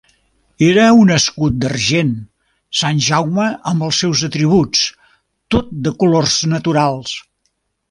Era un escut d'argent, Sant Jaume amb els seus atributs, tot de colors naturals.